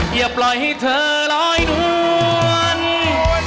อย่าปล่อยให้เธอร้อยด้วย